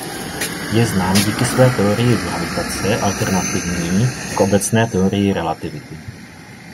Je znám díky své teorii gravitace alternativní k obecné teorii relativity.